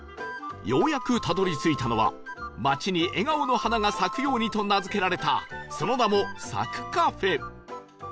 ようやくたどり着いたのは街に笑顔の花が咲くようにと名付けられたその名も咲くカフェ